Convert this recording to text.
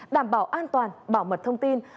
đảm bảo an toàn bảo mật thông tin